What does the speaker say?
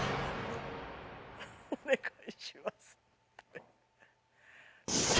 お願いします。